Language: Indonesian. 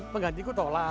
pengganti aku tolak